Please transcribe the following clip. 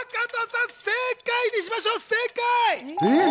正解にしましょう。